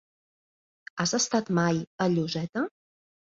Has estat mai a Lloseta?